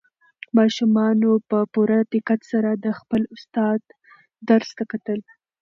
ماشومانو په پوره دقت سره د خپل استاد درس ته کتل.